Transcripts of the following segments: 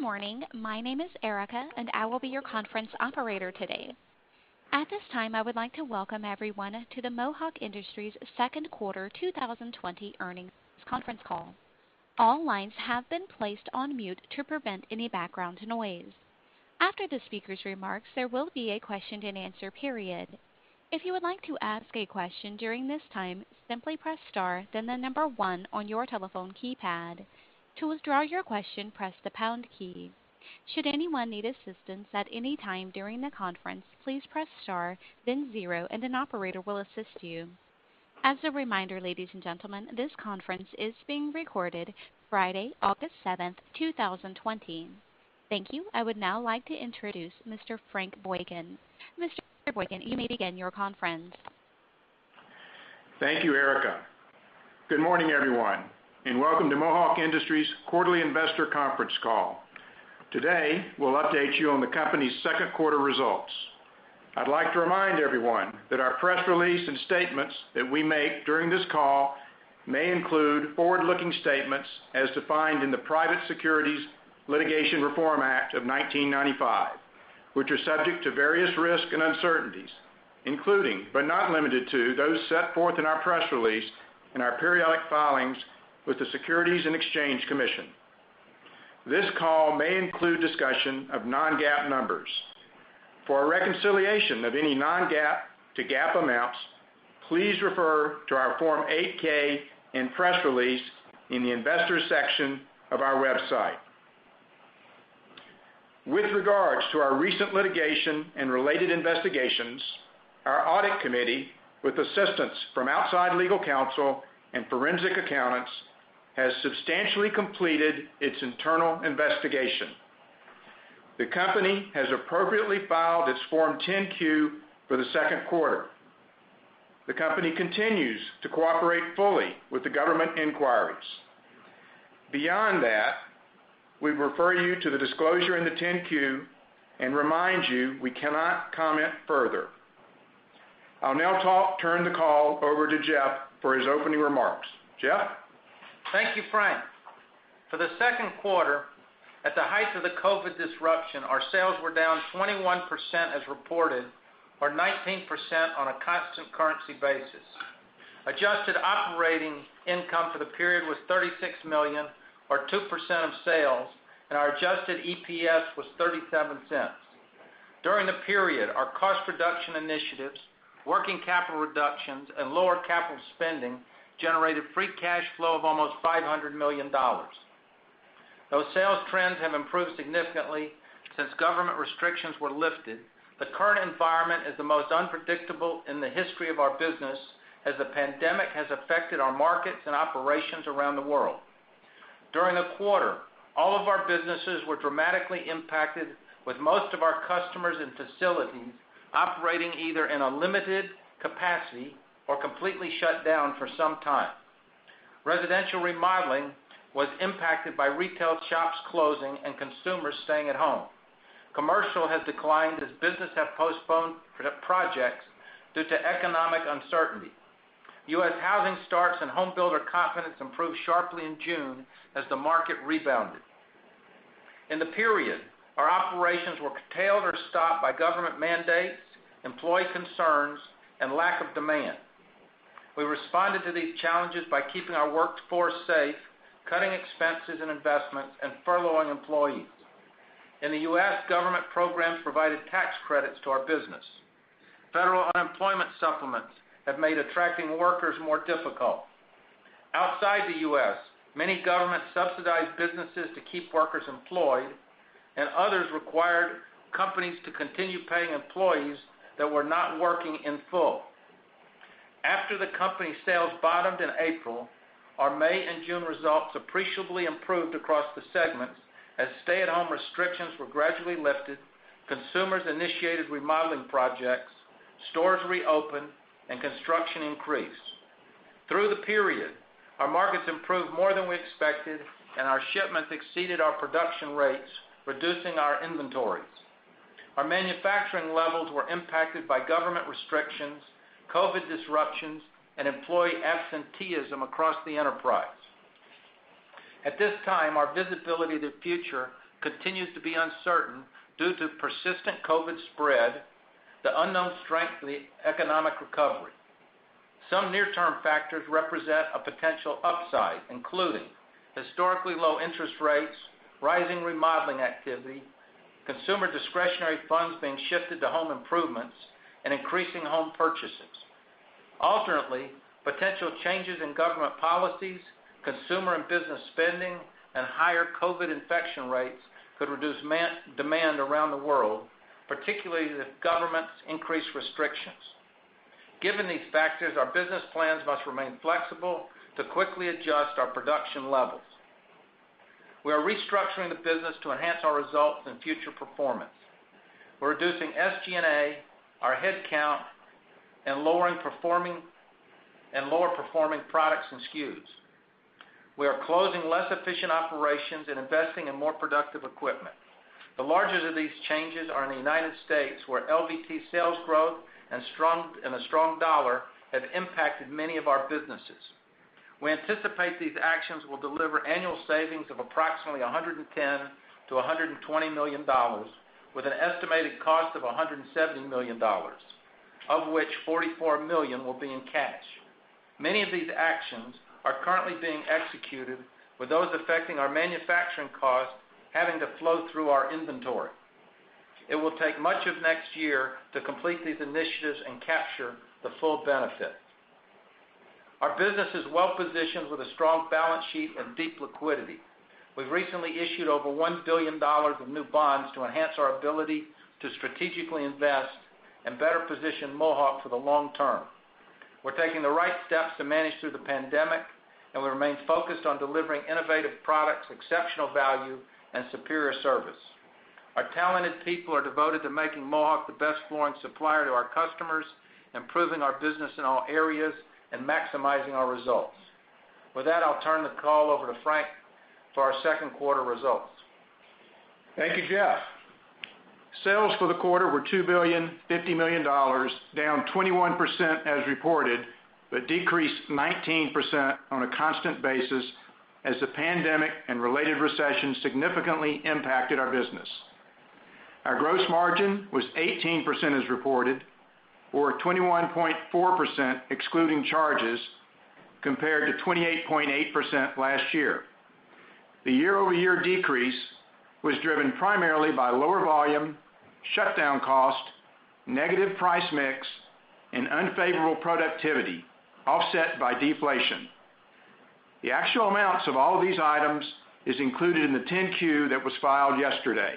Good morning. My name is Erica, and I will be your conference operator today. At this time, I would like to welcome everyone to the Mohawk Industries second quarter 2020 earnings conference call. All lines have been placed on mute to prevent any background noise. After the speaker's remarks, there will be a question-and-answer period. If you would like to ask a question during this time, simply press star, then 1 on your telephone keypad. To withdraw your question, press the pound key. Should anyone need assistance at any time during the conference, please press star, then zero, and an operator will assist you. As a reminder, ladies and gentlemen, this conference is being recorded Friday, August 7th, 2020. Thank you. I would now like to introduce Mr. Frank Boykin. Mr. Boykin, you may begin your conference. Thank you, Erica. Good morning, everyone, and welcome to Mohawk Industries quarterly investor conference call. Today, we'll update you on the company's second quarter results. I'd like to remind everyone that our press release and statements that we make during this call may include forward-looking statements as defined in the Private Securities Litigation Reform Act of 1995, which are subject to various risks and uncertainties, including, but not limited to, those set forth in our press release and our periodic filings with the Securities and Exchange Commission. This call may include discussion of Non-GAAP numbers. For a reconciliation of any Non-GAAP to GAAP amounts, please refer to our Form 8-K and press release in the investors section of our website. With regards to our recent litigation and related investigations, our audit committee, with assistance from outside legal counsel and forensic accountants, has substantially completed its internal investigation. The company has appropriately filed its Form 10-Q for the second quarter. The company continues to cooperate fully with the government inquiries. Beyond that, we refer you to the disclosure in the 10-Q and remind you we cannot comment further. I'll now turn the call over to Jeffrey for his opening remarks. Jeffrey? Thank you, Frank. For the second quarter, at the height of the COVID disruption, our sales were down 21% as reported, or 19% on a constant currency basis. Adjusted operating income for the period was $36 million, or 2% of sales, and our adjusted EPS was $0.37. During the period, our cost reduction initiatives, working capital reductions, and lower capital spending generated free cash flow of almost $500 million. Though sales trends have improved significantly since government restrictions were lifted, the current environment is the most unpredictable in the history of our business, as the pandemic has affected our markets and operations around the world. During the quarter, all of our businesses were dramatically impacted, with most of our customers and facilities operating either in a limited capacity or completely shut down for some time. Residential remodeling was impacted by retail shops closing and consumers staying at home. Commercial has declined as businesses have postponed projects due to economic uncertainty. U.S. housing starts and home builder confidence improved sharply in June as the market rebounded. In the period, our operations were curtailed or stopped by government mandates, employee concerns, and lack of demand. We responded to these challenges by keeping our workforce safe, cutting expenses and investments, and furloughing employees. In the U.S., government programs provided tax credits to our business. Federal unemployment supplements have made attracting workers more difficult. Outside the U.S., many governments subsidized businesses to keep workers employed, and others required companies to continue paying employees that were not working in full. After the company sales bottomed in April, our May and June results appreciably improved across the segments as stay-at-home restrictions were gradually lifted, consumers initiated remodeling projects, stores reopened, and construction increased. Through the period, our markets improved more than we expected, and our shipments exceeded our production rates, reducing our inventories. Our manufacturing levels were impacted by government restrictions, COVID disruptions, and employee absenteeism across the enterprise. At this time, our visibility to the future continues to be uncertain due to persistent COVID spread, the unknown strength of the economic recovery. Some near-term factors represent a potential upside, including historically low interest rates, rising remodeling activity, consumer discretionary funds being shifted to home improvements, and increasing home purchases. Alternately, potential changes in government policies, consumer and business spending, and higher COVID infection rates could reduce demand around the world, particularly if governments increase restrictions. Given these factors, our business plans must remain flexible to quickly adjust our production levels. We are restructuring the business to enhance our results and future performance. We're reducing SG&A, our head count, and lower-performing products and SKUs. We are closing less efficient operations and investing in more productive equipment. The largest of these changes are in the U.S., where LVT sales growth and a strong dollar have impacted many of our businesses. We anticipate these actions will deliver annual savings of approximately $110 million-$120 million, with an estimated cost of $170 million, of which $44 million will be in cash. Many of these actions are currently being executed, with those affecting our manufacturing costs having to flow through our inventory. It will take much of next year to complete these initiatives and capture the full benefit. Our business is well-positioned with a strong balance sheet and deep liquidity. We've recently issued over $1 billion in new bonds to enhance our ability to strategically invest and better position Mohawk for the long term. We're taking the right steps to manage through the pandemic, and we remain focused on delivering innovative products, exceptional value, and superior service. Our talented people are devoted to making Mohawk the best flooring supplier to our customers, improving our business in all areas, and maximizing our results. With that, I'll turn the call over to Frank for our second quarter results. Thank you, Jeff. Sales for the quarter were $2 billion $50 million, down 21% as reported, but decreased 19% on a constant basis as the pandemic and related recession significantly impacted our business. Our gross margin was 18% as reported, or 21.4% excluding charges, compared to 28.8% last year. The year-over-year decrease was driven primarily by lower volume, shutdown cost, negative price mix, and unfavorable productivity, offset by deflation. The actual amounts of all these items is included in the 10-Q that was filed yesterday.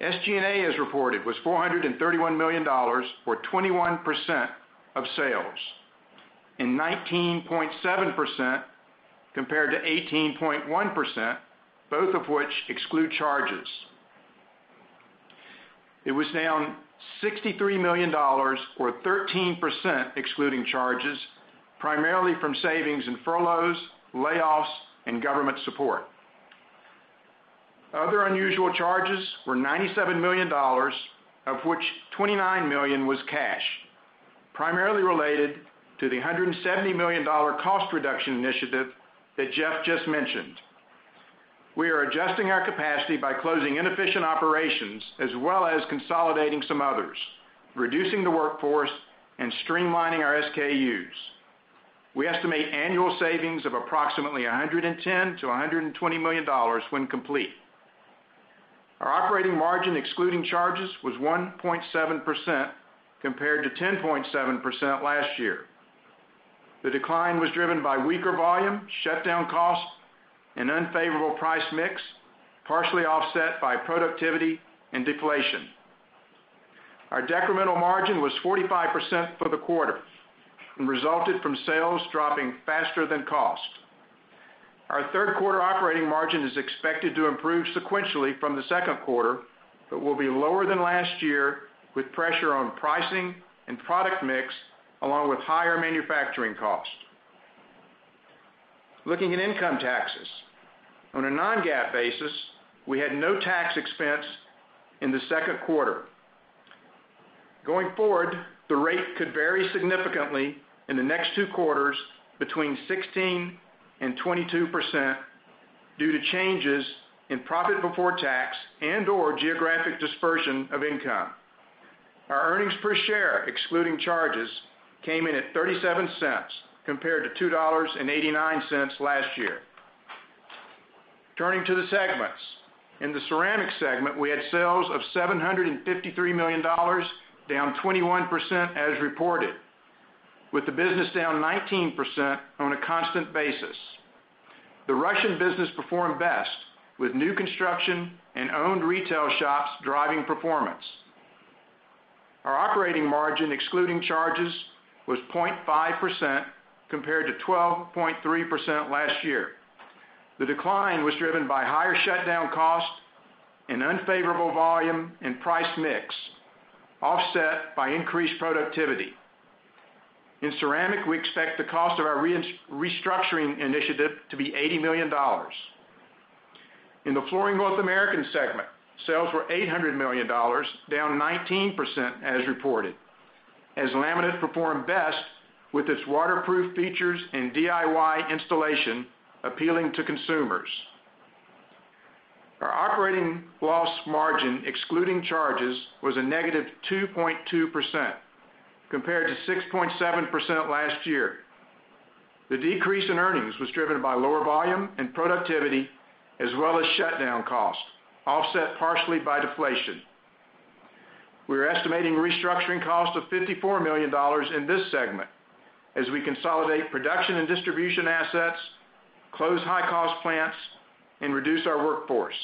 SG&A, as reported, was $431 million, or 21% of sales, and 19.7% compared to 18.1%, both of which exclude charges. It was down $63 million, or 13%, excluding charges, primarily from savings in furloughs, layoffs, and government support. Other unusual charges were $97 million, of which $29 million was cash, primarily related to the $170 million cost reduction initiative that Jeff just mentioned. We are adjusting our capacity by closing inefficient operations as well as consolidating some others, reducing the workforce, and streamlining our SKUs. We estimate annual savings of approximately $110 million-$120 million when complete. Our operating margin, excluding charges, was 1.7%, compared to 10.7% last year. The decline was driven by weaker volume, shutdown costs, and unfavorable price mix, partially offset by productivity and deflation. Our decremental margin was 45% for the quarter and resulted from sales dropping faster than cost. Our third quarter operating margin is expected to improve sequentially from the second quarter, but will be lower than last year, with pressure on pricing and product mix, along with higher manufacturing cost. Looking at income taxes. On a non-GAAP basis, we had no tax expense in the second quarter. Going forward, the rate could vary significantly in the next two quarters between 16%-22% due to changes in profit before tax and/or geographic dispersion of income. Our EPS, excluding charges, came in at $0.37 compared to $2.89 last year. Turning to the segments. In the ceramic segment, we had sales of $753 million, down 21% as reported, with the business down 19% on a constant basis. The Russian business performed best, with new construction and owned retail shops driving performance. Our operating margin, excluding charges, was 0.5%, compared to 12.3% last year. The decline was driven by higher shutdown cost and unfavorable volume and price mix, offset by increased productivity. In ceramic, we expect the cost of our restructuring initiative to be $80 million. In the Flooring North America segment, sales were $800 million, down 19% as reported, as laminate performed best with its waterproof features and DIY installation appealing to consumers. Our operating loss margin, excluding charges, was a -2.2%, compared to 6.7% last year. The decrease in earnings was driven by lower volume and productivity, as well as shutdown cost, offset partially by deflation. We're estimating restructuring costs of $54 million in this segment as we consolidate production and distribution assets, close high-cost plants, and reduce our workforce.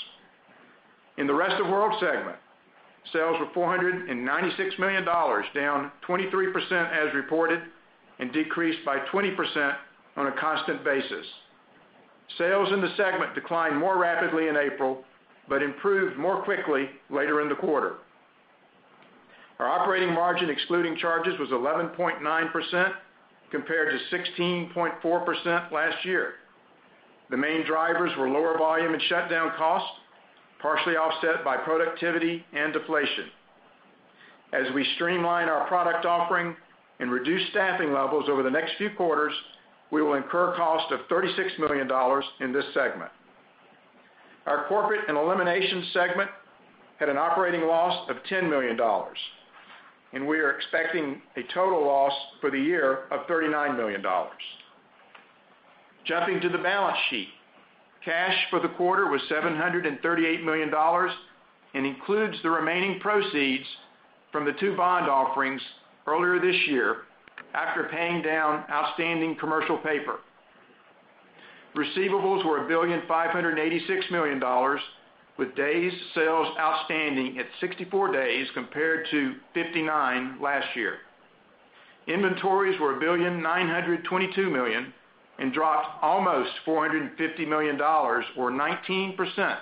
In the Rest of the World segment, sales were $496 million, down 23% as reported, and decreased by 20% on a constant basis. Sales in the segment declined more rapidly in April, but improved more quickly later in the quarter. Our operating margin excluding charges was 11.9% compared to 16.4% last year. The main drivers were lower volume and shutdown costs, partially offset by productivity and deflation. As we streamline our product offering and reduce staffing levels over the next two quarters, we will incur costs of $36 million in this segment. Our corporate and elimination segment had an operating loss of $10 million, and we are expecting a total loss for the year of $39 million. Jumping to the balance sheet, cash for the quarter was $738 million and includes the remaining proceeds from the two bond offerings earlier this year after paying down outstanding commercial paper. Receivables were $1.586 billion, with days sales outstanding at 64 days compared to 59 last year. Inventories were $1.922 billion and dropped almost $450 million or 19%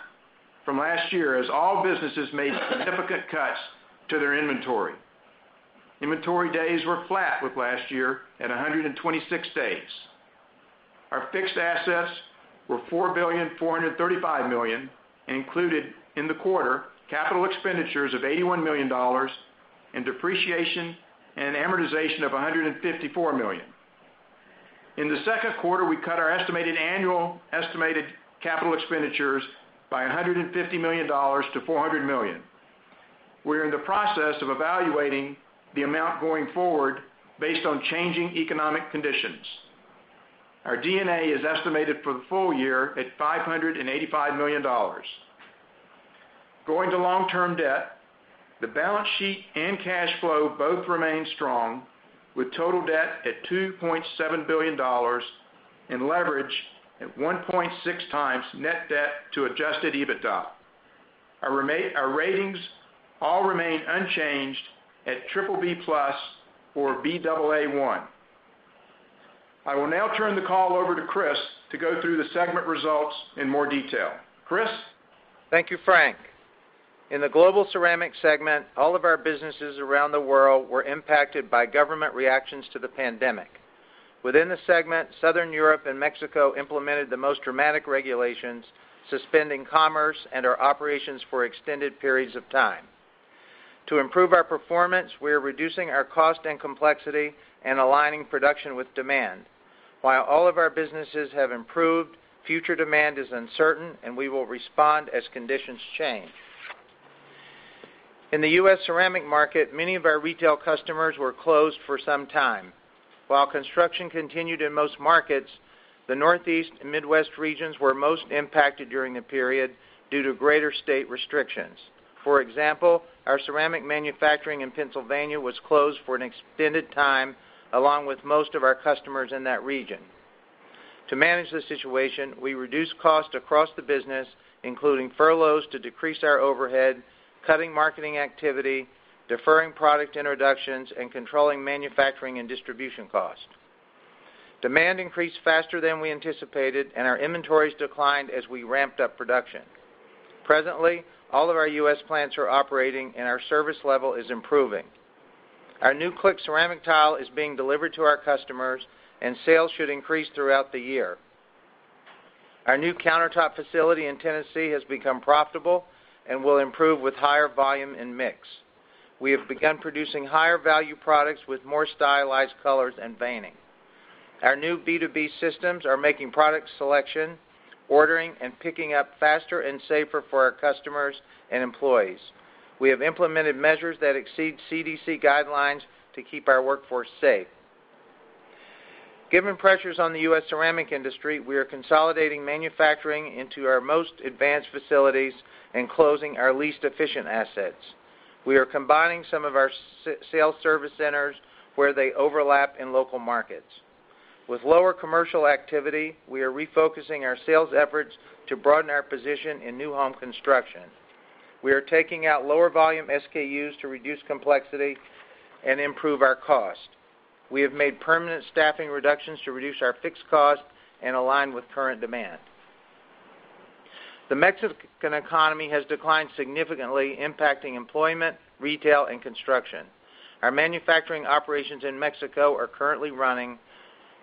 from last year as all businesses made significant cuts to their inventory. Inventory days were flat with last year at 126 days. Our fixed assets were $4.435 billion and included in the quarter capital expenditures of $81 million and depreciation and amortization of $154 million. In the second quarter, we cut our estimated annual capital expenditures by $150 million-$400 million. We are in the process of evaluating the amount going forward based on changing economic conditions. Our D&A is estimated for the full year at $585 million. Going to long-term debt, the balance sheet and cash flow both remain strong, with total debt at $2.7 billion and leverage at 1.6x net debt to adjusted EBITDA. Our ratings all remain unchanged at BBB+ or Baa1. I will now turn the call over to Chris to go through the segment results in more detail. Chris? Thank you, Frank. In the Global Ceramic segment, all of our businesses around the world were impacted by government reactions to the pandemic. Within the segment, Southern Europe and Mexico implemented the most dramatic regulations, suspending commerce and our operations for extended periods of time. To improve our performance, we are reducing our cost and complexity and aligning production with demand. While all of our businesses have improved, future demand is uncertain and we will respond as conditions change. In the U.S. ceramic market, many of our retail customers were closed for some time. While construction continued in most markets, the Northeast and Midwest regions were most impacted during the period due to greater state restrictions. For example, our ceramic manufacturing in Pennsylvania was closed for an extended time, along with most of our customers in that region. To manage the situation, we reduced costs across the business, including furloughs, to decrease our overhead, cutting marketing activity, deferring product introductions, and controlling manufacturing and distribution costs. Demand increased faster than we anticipated, and our inventories declined as we ramped up production. Presently, all of our U.S. plants are operating and our service level is improving. Our new click ceramic tile is being delivered to our customers and sales should increase throughout the year. Our new countertop facility in Tennessee has become profitable and will improve with higher volume and mix. We have begun producing higher-value products with more stylized colors and veining. Our new B2B systems are making product selection, ordering, and picking up faster and safer for our customers and employees. We have implemented measures that exceed CDC guidelines to keep our workforce safe. Given pressures on the U.S. ceramic industry, we are consolidating manufacturing into our most advanced facilities and closing our least efficient assets. We are combining some of our sales service centers where they overlap in local markets. With lower commercial activity, we are refocusing our sales efforts to broaden our position in new home construction. We are taking out lower volume SKUs to reduce complexity and improve our cost. We have made permanent staffing reductions to reduce our fixed cost and align with current demand. The Mexican economy has declined significantly, impacting employment, retail, and construction. Our manufacturing operations in Mexico are currently running,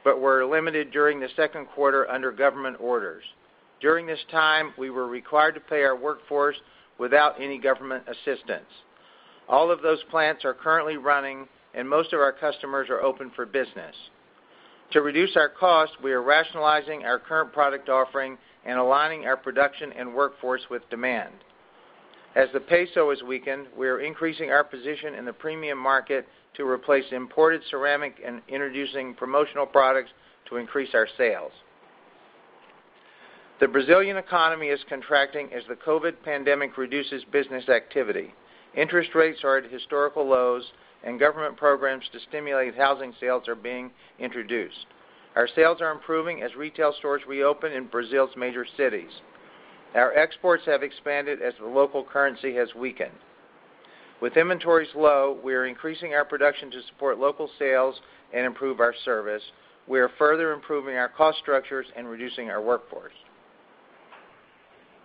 but were limited during the second quarter under government orders. During this time, we were required to pay our workforce without any government assistance. All of those plants are currently running and most of our customers are open for business. To reduce our cost, we are rationalizing our current product offering and aligning our production and workforce with demand. As the peso has weakened, we are increasing our position in the premium market to replace imported ceramic and introducing promotional products to increase our sales. The Brazilian economy is contracting as the COVID pandemic reduces business activity. Interest rates are at historical lows and government programs to stimulate housing sales are being introduced. Our sales are improving as retail stores reopen in Brazil's major cities. Our exports have expanded as the local currency has weakened. With inventories low, we are increasing our production to support local sales and improve our service. We are further improving our cost structures and reducing our workforce.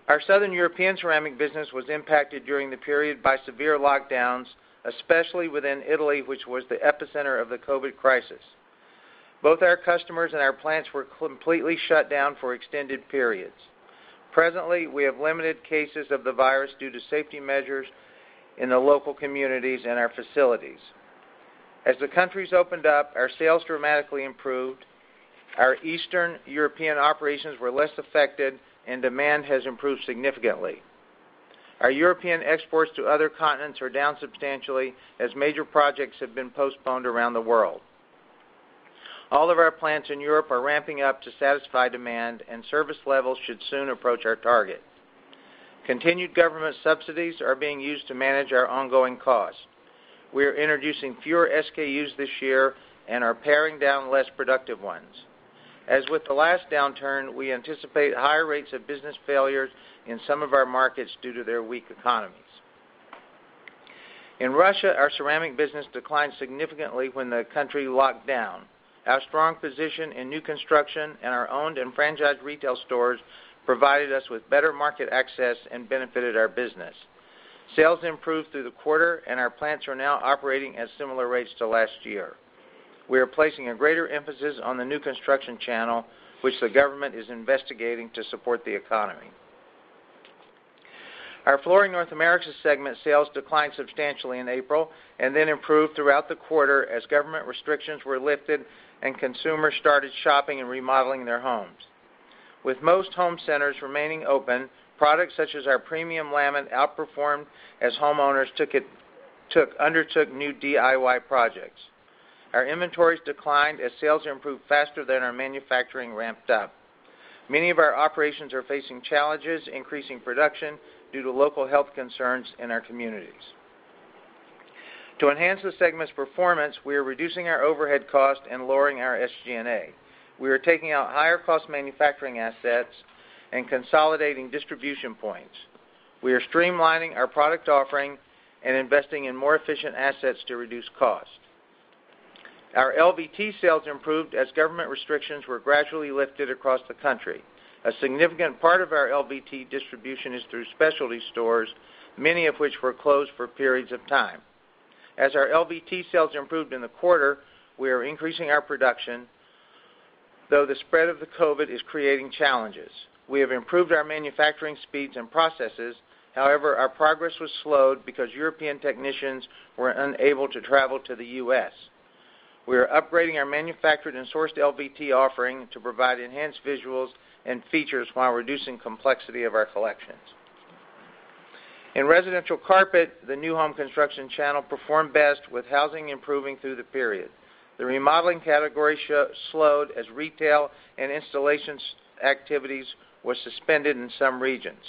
Our Southern European ceramic business was impacted during the period by severe lockdowns, especially within Italy, which was the epicenter of the COVID crisis. Both our customers and our plants were completely shut down for extended periods. Presently, we have limited cases of the virus due to safety measures in the local communities and our facilities. As the countries opened up, our sales dramatically improved. Our Eastern European operations were less affected, and demand has improved significantly. Our European exports to other continents are down substantially as major projects have been postponed around the world. All of our plants in Europe are ramping up to satisfy demand, and service levels should soon approach our target. Continued government subsidies are being used to manage our ongoing costs. We are introducing fewer SKUs this year and are paring down less productive ones. As with the last downturn, we anticipate higher rates of business failures in some of our markets due to their weak economies. In Russia, our ceramic business declined significantly when the country locked down. Our strong position in new construction and our owned and franchised retail stores provided us with better market access and benefited our business. Sales improved through the quarter, and our plants are now operating at similar rates to last year. We are placing a greater emphasis on the new construction channel, which the government is investigating to support the economy. Our Flooring North America segment sales declined substantially in April and then improved throughout the quarter as government restrictions were lifted and consumers started shopping and remodeling their homes. With most home centers remaining open, products such as our premium laminate outperformed as homeowners undertook new DIY projects. Our inventories declined as sales improved faster than our manufacturing ramped up. Many of our operations are facing challenges increasing production due to local health concerns in our communities. To enhance the segment's performance, we are reducing our overhead cost and lowering our SG&A. We are taking out higher-cost manufacturing assets and consolidating distribution points. We are streamlining our product offering and investing in more efficient assets to reduce cost. Our LVT sales improved as government restrictions were gradually lifted across the country. A significant part of our LVT distribution is through specialty stores, many of which were closed for periods of time. As our LVT sales improved in the quarter, we are increasing our production, though the spread of the COVID is creating challenges. We have improved our manufacturing speeds and processes. However, our progress was slowed because European technicians were unable to travel to the U.S. We are upgrading our manufactured and sourced LVT offering to provide enhanced visuals and features while reducing complexity of our collections. In residential carpet, the new home construction channel performed best with housing improving through the period. The remodeling category slowed as retail and installations activities were suspended in some regions.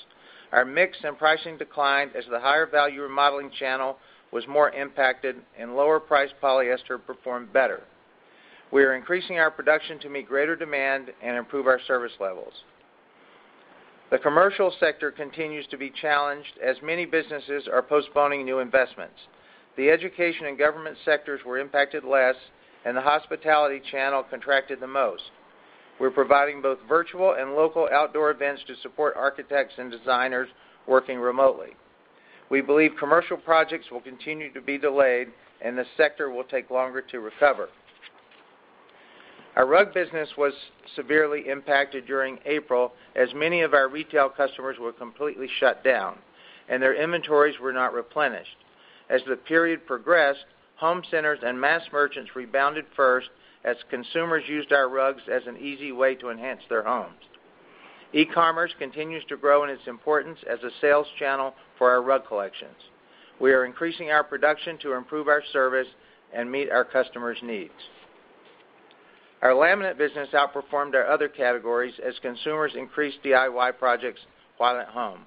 Our mix and pricing declined as the higher-value remodeling channel was more impacted, and lower-priced polyester performed better. We are increasing our production to meet greater demand and improve our service levels. The commercial sector continues to be challenged as many businesses are postponing new investments. The education and government sectors were impacted less, and the hospitality channel contracted the most. We're providing both virtual and local outdoor events to support architects and designers working remotely. We believe commercial projects will continue to be delayed, and the sector will take longer to recover. Our rug business was severely impacted during April, as many of our retail customers were completely shut down, and their inventories were not replenished. As the period progressed, home centers and mass merchants rebounded first as consumers used our rugs as an easy way to enhance their homes. E-commerce continues to grow in its importance as a sales channel for our rug collections. We are increasing our production to improve our service and meet our customers' needs. Our laminate business outperformed our other categories as consumers increased DIY projects while at home.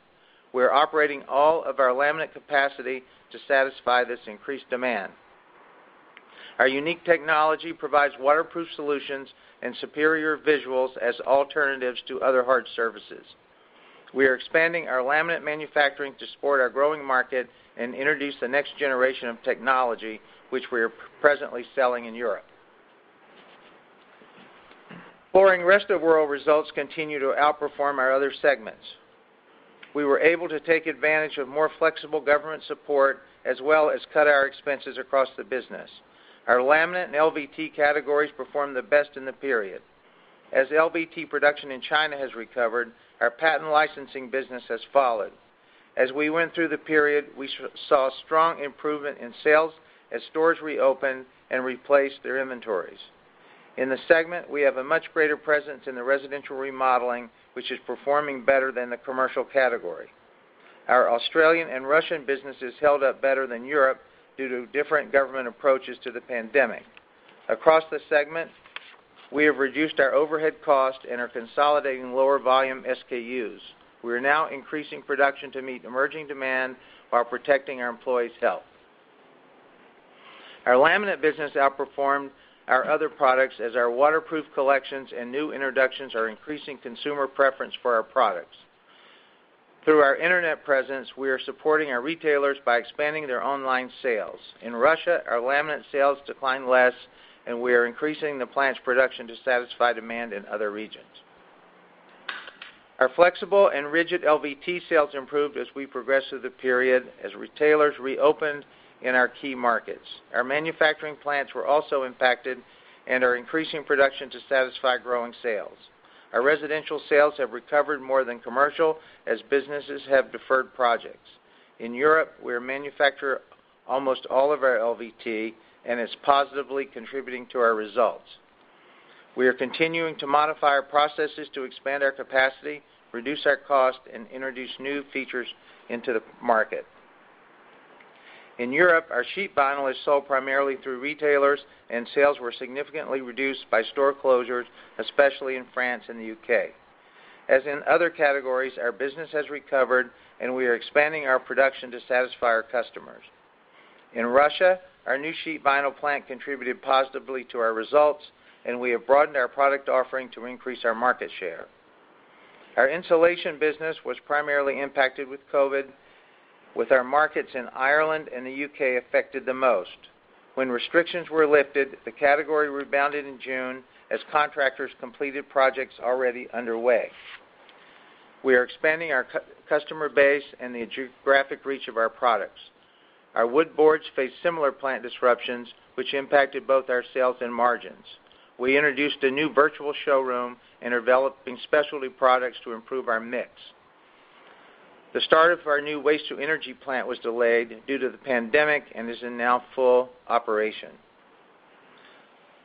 We are operating all of our laminate capacity to satisfy this increased demand. Our unique technology provides waterproof solutions and superior visuals as alternatives to other hard surfaces. We are expanding our laminate manufacturing to support our growing market and introduce the next generation of technology, which we are presently selling in Europe. Flooring Rest of World results continue to outperform our other segments. We were able to take advantage of more flexible government support, as well as cut our expenses across the business. Our laminate and LVT categories performed the best in the period. As LVT production in China has recovered, our patent licensing business has followed. As we went through the period, we saw strong improvement in sales as stores reopened and replaced their inventories. In the segment, we have a much greater presence in the residential remodeling, which is performing better than the commercial category. Our Australian and Russian businesses held up better than Europe due to different government approaches to the pandemic. Across the segment, we have reduced our overhead cost and are consolidating lower volume SKUs. We are now increasing production to meet emerging demand while protecting our employees' health. Our laminate business outperformed our other products as our waterproof collections and new introductions are increasing consumer preference for our products. Through our internet presence, we are supporting our retailers by expanding their online sales. In Russia, our laminate sales declined less, and we are increasing the plant's production to satisfy demand in other regions. Our flexible and rigid LVT sales improved as we progressed through the period as retailers reopened in our key markets. Our manufacturing plants were also impacted and are increasing production to satisfy growing sales. Our residential sales have recovered more than commercial, as businesses have deferred projects. In Europe, we manufacture almost all of our LVT, and it's positively contributing to our results. We are continuing to modify our processes to expand our capacity, reduce our cost, and introduce new features into the market. In Europe, our sheet vinyl is sold primarily through retailers, and sales were significantly reduced by store closures, especially in France and the U.K. As in other categories, our business has recovered, and we are expanding our production to satisfy our customers. In Russia, our new sheet vinyl plant contributed positively to our results, and we have broadened our product offering to increase our market share. Our insulation business was primarily impacted with COVID, with our markets in Ireland and the U.K. affected the most. When restrictions were lifted, the category rebounded in June as contractors completed projects already underway. We are expanding our customer base and the geographic reach of our products. Our wood boards faced similar plant disruptions, which impacted both our sales and margins. We introduced a new virtual showroom and are developing specialty products to improve our mix. The start of our new waste-to-energy plant was delayed due to the pandemic and is in now full operation.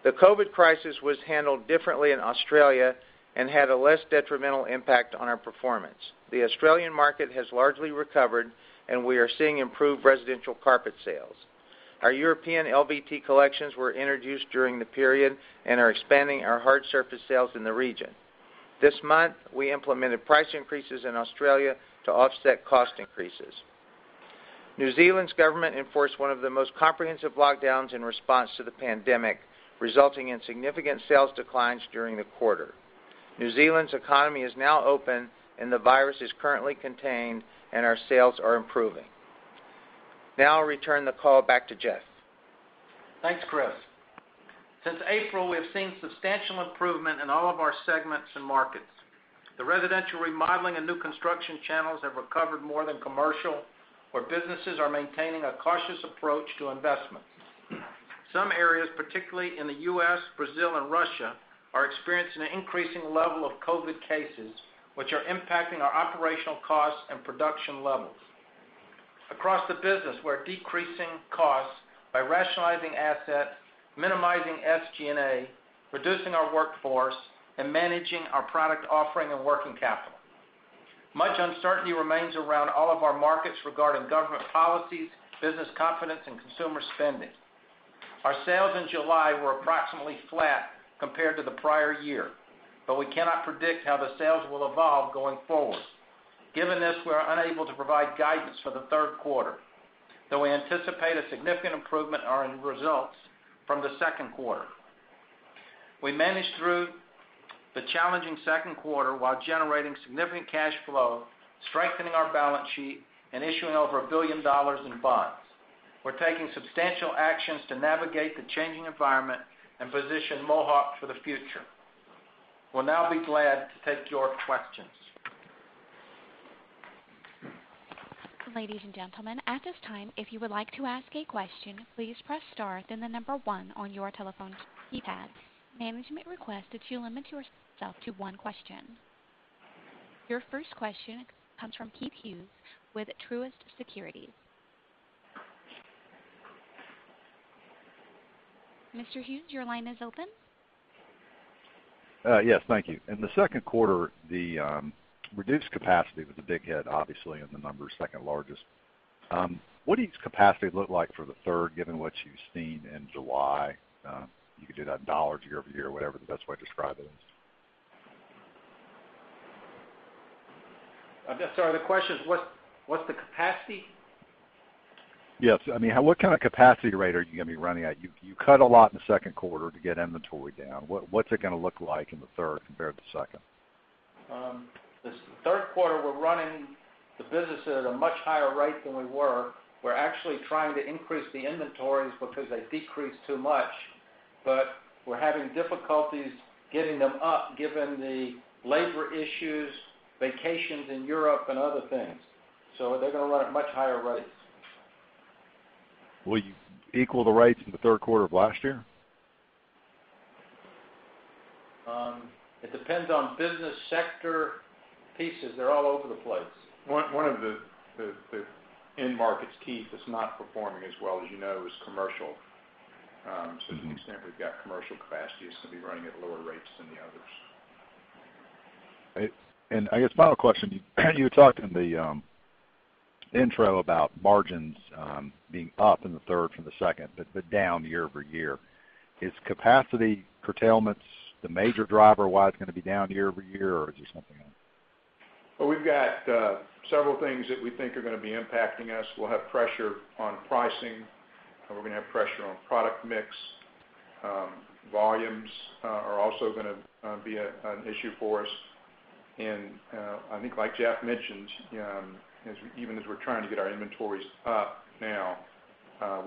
The COVID crisis was handled differently in Australia and had a less detrimental impact on our performance. The Australian market has largely recovered, and we are seeing improved residential carpet sales. Our European LVT collections were introduced during the period and are expanding our hard surface sales in the region. This month, we implemented price increases in Australia to offset cost increases. New Zealand's government enforced one of the most comprehensive lockdowns in response to the pandemic, resulting in significant sales declines during the quarter. New Zealand's economy is now open, and the virus is currently contained, and our sales are improving. Now I'll return the call back to Jeff. Thanks, Chris. Since April, we have seen substantial improvement in all of our segments and markets. The residential remodeling and new construction channels have recovered more than commercial, where businesses are maintaining a cautious approach to investment. Some areas, particularly in the U.S., Brazil, and Russia, are experiencing an increasing level of COVID cases, which are impacting our operational costs and production levels. Across the business, we're decreasing costs by rationalizing assets, minimizing SG&A, reducing our workforce, and managing our product offering and working capital. Much uncertainty remains around all of our markets regarding government policies, business confidence, and consumer spending. Our sales in July were approximately flat compared to the prior year, but we cannot predict how the sales will evolve going forward. Given this, we are unable to provide guidance for the third quarter, though we anticipate a significant improvement in our results from the second quarter. We managed through the challenging second quarter while generating significant cash flow, strengthening our balance sheet, and issuing over $1 billion in bonds. We're taking substantial actions to navigate the changing environment and position Mohawk for the future. We'll now be glad to take your questions. Ladies and gentlemen, at this time, if you would like to ask a question, please press star, then the number one on your telephone keypad. Management requests that you limit yourself to one question. Your first question comes from Keith Hughes with Truist Securities. Mr. Hughes, your line is open. Yes, thank you. In the second quarter, the reduced capacity with the big hit, obviously, in the numbers, second largest. What does capacity look like for the third, given what you've seen in July? You could do that dollars year-over-year, whatever the best way to describe it is. Sorry, the question is, what's the capacity? Yes. What kind of capacity rate are you going to be running at? You cut a lot in the second quarter to get inventory down. What's it going to look like in the third compared to second? This third quarter, we're running the business at a much higher rate than we were. We're actually trying to increase the inventories because they decreased too much, but we're having difficulties getting them up given the labor issues, vacations in Europe, and other things. They're going to run at much higher rates. Will you equal the rates in the third quarter of last year? It depends on business sector pieces. They're all over the place. One of the end markets, Keith, that's not performing as well as you know is commercial. To an extent, we've got commercial capacity that's going to be running at lower rates than the others. I guess final question. You talked in the intro about margins being up in the third from the second, but down year-over-year. Is capacity curtailments the major driver why it's going to be down year-over-year, or is there something else? Well, we've got several things that we think are going to be impacting us. We'll have pressure on pricing, and we're going to have pressure on product mix. Volumes are also going to be an issue for us. I think like Jeff mentioned, even as we're trying to get our inventories up now.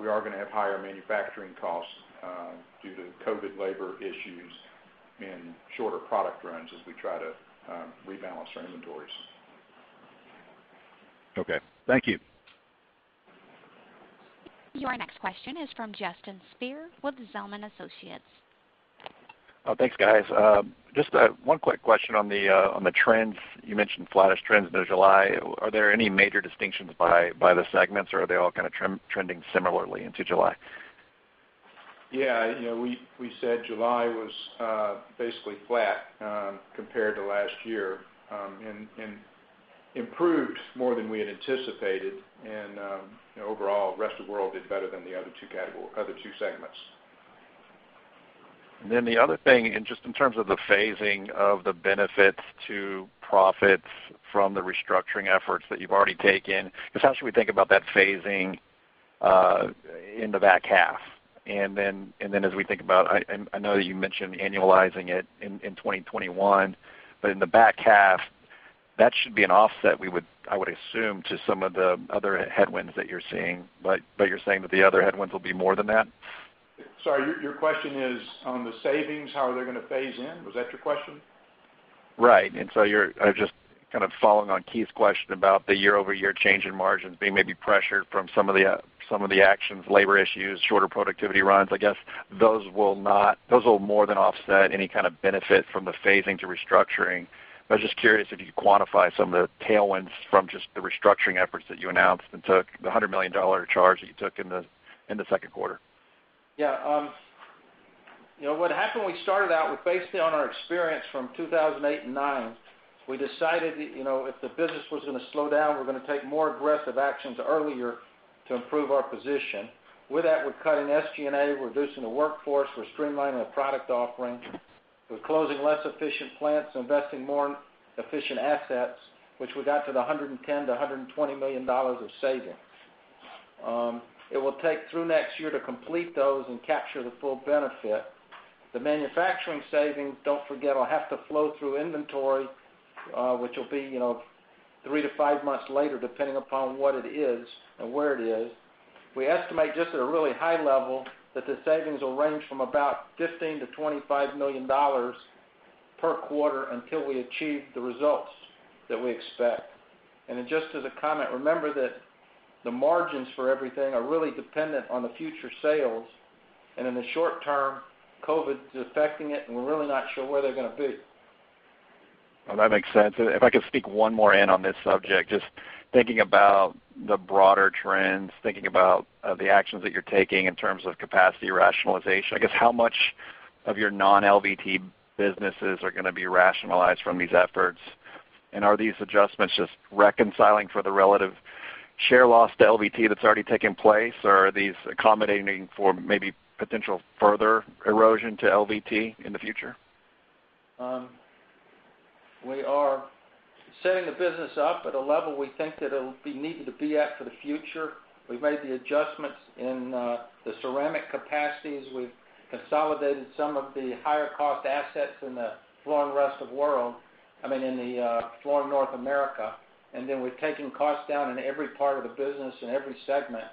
We are going to have higher manufacturing costs due to COVID labor issues and shorter product runs as we try to rebalance our inventories. Okay, thank you. Your next question is from Justin Speer with Zelman & Associates. Thanks, guys. Just one quick question on the trends. You mentioned flattish trends into July. Are there any major distinctions by the segments or are they all kind of trending similarly into July? Yeah. We said July was basically flat compared to last year and improved more than we had anticipated in overall Rest of World did better than the other two segments. The other thing, just in terms of the phasing of the benefits to profits from the restructuring efforts that you've already taken, just how should we think about that phasing in the back half? As we think about, I know that you mentioned annualizing it in 2021, but in the back half, that should be an offset, I would assume, to some of the other headwinds that you're seeing. You're saying that the other headwinds will be more than that? Sorry, your question is on the savings, how are they going to phase in? Was that your question? Right. You're just kind of following on Keith's question about the year-over-year change in margins being maybe pressured from some of the actions, labor issues, shorter productivity runs. I guess those will more than offset any kind of benefit from the phasing to restructuring. I was just curious if you could quantify some of the tailwinds from just the restructuring efforts that you announced and took, the $100 million charge that you took in the second quarter. What happened when we started out was based on our experience from 2008 and 2009, we decided that if the business was going to slow down, we're going to take more aggressive actions earlier to improve our position. With that, we're cutting SG&A, we're reducing the workforce, we're streamlining the product offering. We're closing less efficient plants, investing in more efficient assets, which we got to the $110 million-$120 million of savings. It will take through next year to complete those and capture the full benefit. The manufacturing savings, don't forget, will have to flow through inventory, which will be three to five months later, depending upon what it is and where it is. We estimate just at a really high level that the savings will range from about $15 million-$25 million per quarter until we achieve the results that we expect. Just as a comment, remember that the margins for everything are really dependent on the future sales, and in the short term, COVID is affecting it, and we're really not sure where they're going to be. Well, that makes sense. If I could speak one more in on this subject, just thinking about the broader trends, thinking about the actions that you're taking in terms of capacity rationalization, I guess, how much of your non-LVT businesses are going to be rationalized from these efforts? Are these adjustments just reconciling for the relative share loss to LVT that's already taken place, or are these accommodating for maybe potential further erosion to LVT in the future? We are setting the business up at a level we think that it'll be needing to be at for the future. We've made the adjustments in the ceramic capacities. We've consolidated some of the higher cost assets in the Flooring Rest of World, I mean, in the Flooring North America. We're taking costs down in every part of the business and every segment,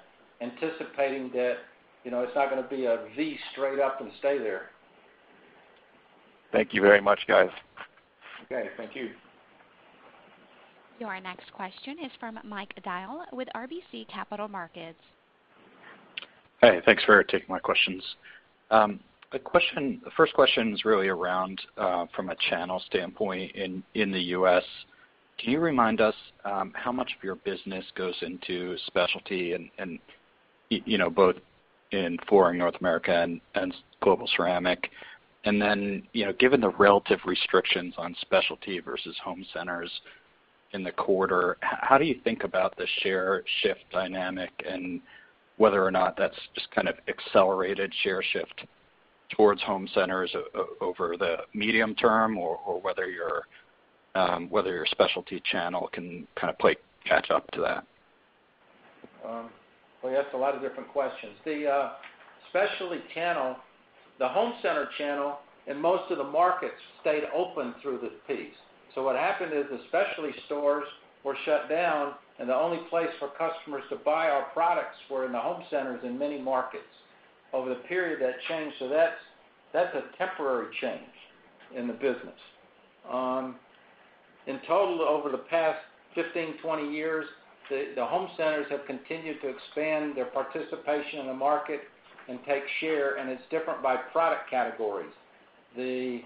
anticipating that it's not going to be a V straight up and stay there. Thank you very much, guys. Okay. Thank you. Your next question is from Mike Dahl with RBC Capital Markets. Hey, thanks for taking my questions. The first question is really around from a channel standpoint in the U.S. Can you remind us how much of your business goes into specialty and both in Flooring North America and Global Ceramic? Given the relative restrictions on specialty versus home centers in the quarter, how do you think about the share shift dynamic and whether or not that's just kind of accelerated share shift towards home centers over the medium term, or whether your specialty channel can kind of play catch up to that? Well, you asked a lot of different questions. The home center channel in most of the markets stayed open through this piece. What happened is the specialty stores were shut down, and the only place for customers to buy our products were in the home centers in many markets. Over the period, that changed. That's a temporary change in the business. In total, over the past 15 years, 20 years, the home centers have continued to expand their participation in the market and take share, and it's different by product categories. The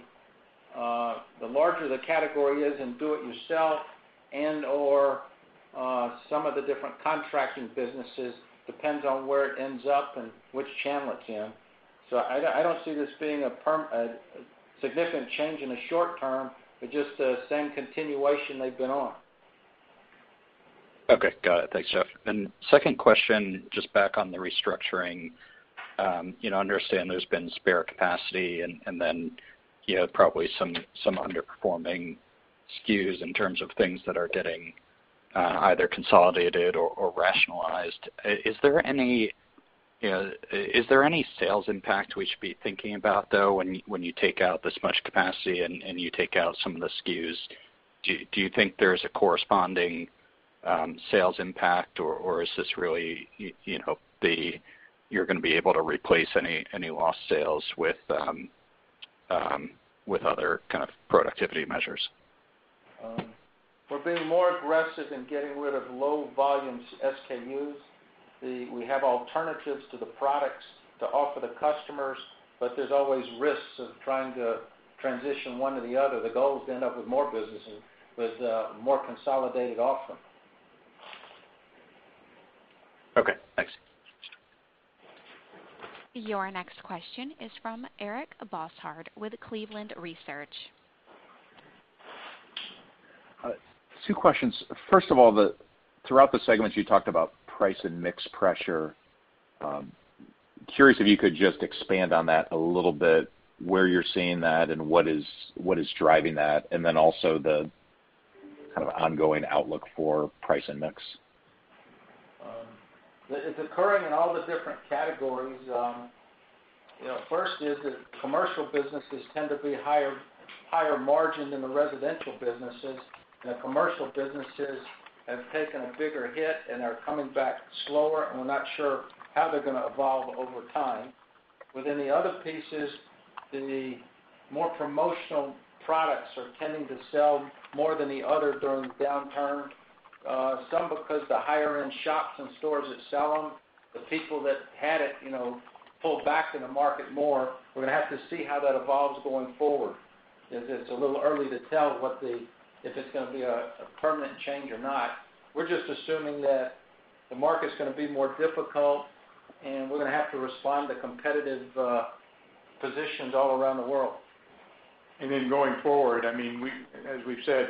larger the category is in do it yourself and/or some of the different contracting businesses, depends on where it ends up and which channel it's in. I don't see this being a significant change in the short term, but just the same continuation they've been on. Okay. Got it. Thanks, Jeff. Second question, just back on the restructuring. Understand there's been spare capacity and then probably some underperforming SKUs in terms of things that are getting either consolidated or rationalized. Is there any sales impact we should be thinking about, though, when you take out this much capacity and you take out some of the SKUs? Do you think there's a corresponding sales impact, or is this really you're going to be able to replace any lost sales with other kind of productivity measures? We're being more aggressive in getting rid of low volumes SKUs. We have alternatives to the products to offer the customers, but there's always risks of trying to transition one to the other. The goal is to end up with more business and with a more consolidated offering. Okay, thanks. Your next question is from Eric Bosshard with Cleveland Research. Two questions. First of all, throughout the segment, you talked about price and mix pressure. Curious if you could just expand on that a little bit, where you're seeing that and what is driving that, and then also the kind of ongoing outlook for price and mix. It's occurring in all the different categories. First is that commercial businesses tend to be higher margin than the residential businesses. The commercial businesses have taken a bigger hit and are coming back slower, and we're not sure how they're going to evolve over time. Within the other pieces, the more promotional products are tending to sell more than the others during the downturn. Some because the higher-end shops and stores that sell them, the people that had it pulled back in the market more. We're going to have to see how that evolves going forward, as it's a little early to tell if it's going to be a permanent change or not. We're just assuming that the market's going to be more difficult, and we're going to have to respond to competitive positions all around the world. Going forward, as we've said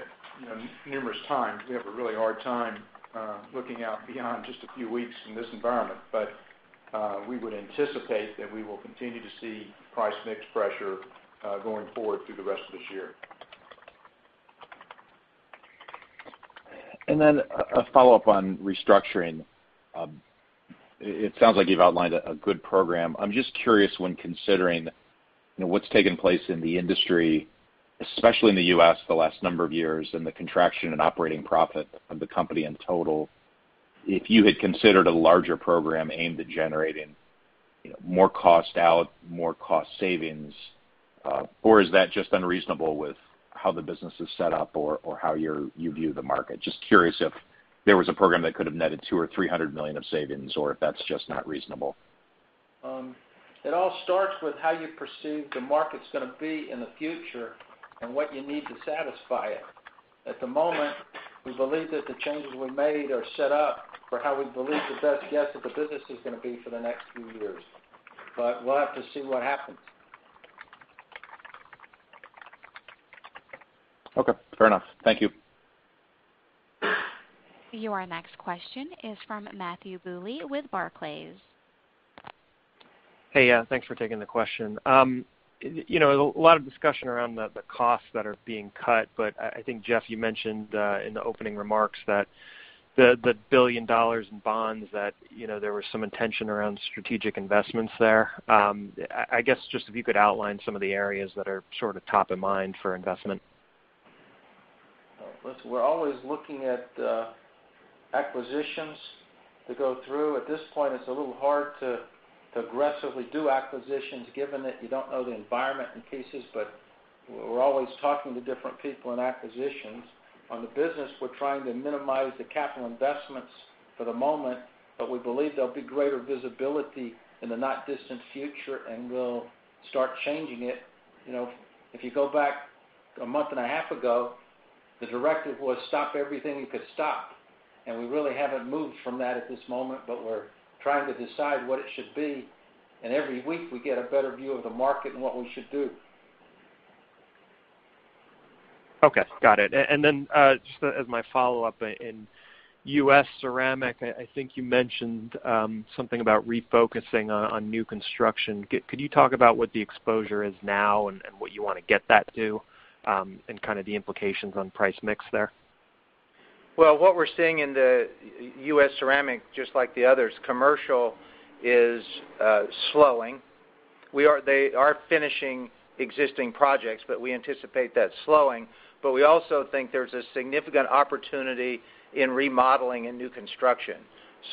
numerous times, we have a really hard time looking out beyond just a few weeks in this environment. We would anticipate that we will continue to see price mix pressure going forward through the rest of this year. A follow-up on restructuring. It sounds like you've outlined a good program. I'm just curious when considering what's taken place in the industry, especially in the U.S. the last number of years, and the contraction in operating profit of the company in total, if you had considered a larger program aimed at generating more cost out, more cost savings, or is that just unreasonable with how the business is set up or how you view the market? Just curious if there was a program that could have netted $200 million or $300 million of savings, or if that's just not reasonable. It all starts with how you perceive the market's going to be in the future and what you need to satisfy it. At the moment, we believe that the changes we've made are set up for how we believe the best guess of the business is going to be for the next few years. We'll have to see what happens. Okay, fair enough. Thank you. Your next question is from Matthew Bouley with Barclays. Hey, thanks for taking the question. A lot of discussion around the costs that are being cut. I think, Jeff, you mentioned in the opening remarks that the $1 billion in bonds that there was some intention around strategic investments there. I guess just if you could outline some of the areas that are sort of top of mind for investment. We're always looking at acquisitions to go through. At this point, it's a little hard to aggressively do acquisitions, given that you don't know the environment in pieces, but we're always talking to different people in acquisitions. On the business, we're trying to minimize the capital investments for the moment, but we believe there'll be greater visibility in the not-distant future, and we'll start changing it. If you go back a month and a half ago, the directive was stop everything you could stop, and we really haven't moved from that at this moment, but we're trying to decide what it should be, and every week we get a better view of the market and what we should do. Okay, got it. Just as my follow-up, in U.S. ceramic, I think you mentioned something about refocusing on new construction. Could you talk about what the exposure is now and what you want to get that to and kind of the implications on price mix there? Well, what we're seeing in the U.S. ceramic, just like the others, commercial is slowing. They are finishing existing projects, we anticipate that slowing. We also think there's a significant opportunity in remodeling and new construction.